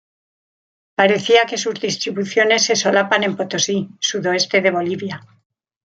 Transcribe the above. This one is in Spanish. Parecía que sus distribuciones se solapan en Potosí, sudoeste de Bolivia.